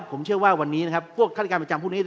ผมเชื่อว่าวันนี้นะครับพวกฆาติการประจำพวกนี้